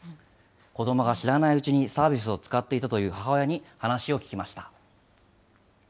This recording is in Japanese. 子どもが知らないうちにサービスを使っていたという母親に話を聞きました。